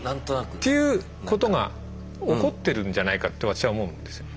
っていうことがおこってるんじゃないかと私は思うんですよね。